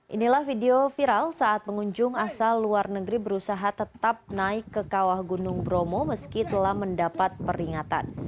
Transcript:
inilah video viral saat pengunjung asal luar negeri berusaha tetap naik ke kawah gunung bromo meski telah mendapat peringatan